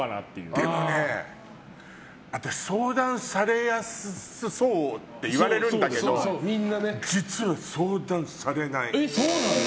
でもね、相談されやすそうって言われるんだけど実は相談されない。